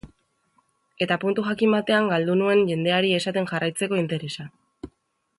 Eta puntu jakin batean galdu nuen jendeari esaten jarraitzeko interesa.